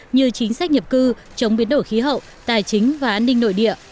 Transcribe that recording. như chính sách nhập cư chống biến đổi khí hậu tài chính và an ninh nội địa